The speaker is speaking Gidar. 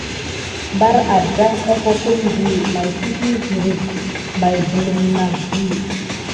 Mbar addan akokum də teky hirip may bələm nakdi.